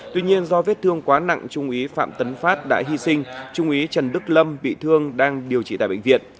tuy nhiên do vết thương quá nặng trung úy phạm tấn phát đã hy sinh trung úy trần đức lâm bị thương đang điều trị tại bệnh viện